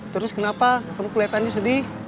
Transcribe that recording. terus kenapa kamu kelihatannya sedih